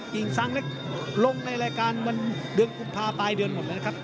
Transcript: กิ่งซางเล็กลงในรายการวันเดือนกุมภาปลายเดือนหมดแล้วนะครับ